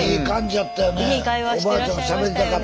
いい会話してらっしゃいましたよね。